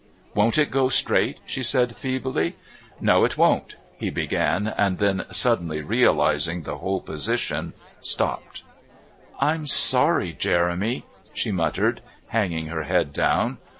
"Won't it go straight?" she said feebly. "No, it won't," he began, and then, suddenly realising the whole position, stopped. "I'm sorry, Jeremy," she muttered, hanging her head down.